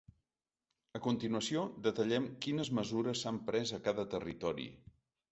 A continuació, detallem quines mesures s’han pres a cada territori.